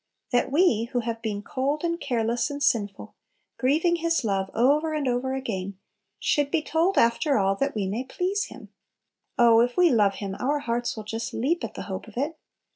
That we, who have been cold, and careless, and sinful, grieving His love over and over again, should be told after all that we may please Him! Oh, if we love Him, our hearts will just leap at the hope of it!